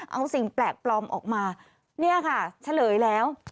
เอาสิ่งแปลกปลอมออกมาเนี่ยค่ะเฉลยแล้ว